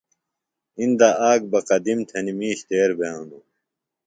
اِندہ آک بہ قدِم تھنیۡ مِیش تیر بھےۡ ہِنوۡ